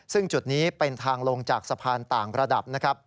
ซึ่งจุดนี้เป็นทางลงจากสะพานต่างระดับนะครับ